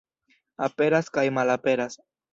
Aperas kaj malaperas.